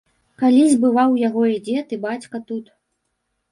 Калісь бываў яго і дзед і бацька тут.